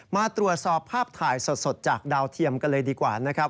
มาตรวจสอบภาพถ่ายสดจากดาวเทียมกันเลยดีกว่านะครับ